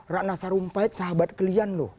ratna sarumpait sahabat kalian loh